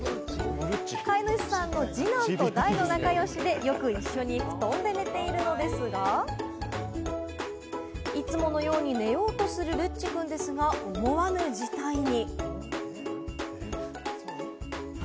飼い主さんの二男と大の仲良しで、よく一緒に布団で寝ているのですが、いつものように寝ようとするルッチくんですが、思わぬ事態に。